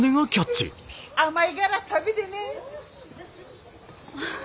甘いがら食べでね。